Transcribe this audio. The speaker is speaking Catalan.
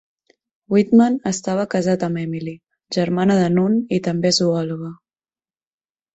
Whitman estava casat amb Emily, germana de Nunn i també zoòloga.